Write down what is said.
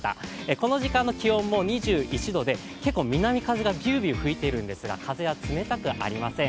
この時間の気温も２１度で、結構南風がビュービュー吹いてるんですが風は冷たくありません。